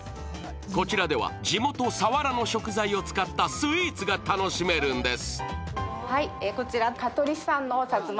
こちらでは地元・佐原の食材を使ったスイーツが楽しめるんです。